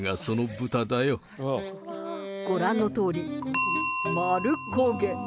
ご覧のとおり、丸焦げ。